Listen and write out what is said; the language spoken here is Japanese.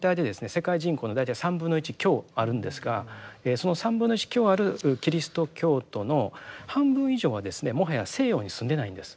世界人口の大体３分の１強あるんですがその３分の１強あるキリスト教徒の半分以上はですねもはや西洋に住んでないんです。